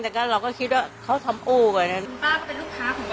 แต่ก็เราก็คิดว่าเขาทำโอ้ก่อนนะป้าก็เป็นลูกค้าของป้า